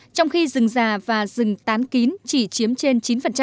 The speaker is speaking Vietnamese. trong khi rừng già và rừng tán kín chỉ chiếm trên chín